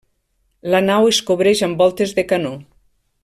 La nau es cobreix amb voltes de canó.